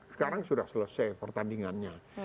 sekarang sudah selesai pertandingannya